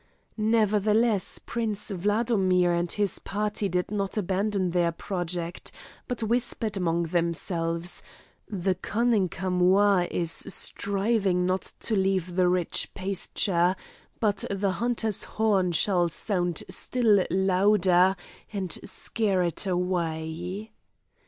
Nevertheless Prince Wladomir and his party did not abandon their project, but whispered among themselves: "The cunning chamois is striving not to leave the rich pasture; but the hunter's horn shall sound still louder, and scare it away."